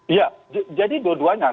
iya jadi dua duanya